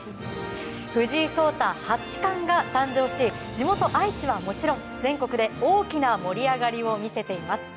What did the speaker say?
藤井聡太八冠が誕生し地元・愛知はもちろん全国で大きな盛り上がりを見せています。